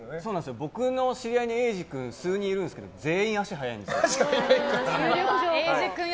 僕の知り合いにえいじ君、数人いるんですけど全員足速いんですよ。